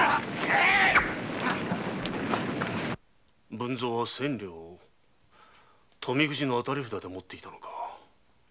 文造は千両を当たり札で持っていたのか。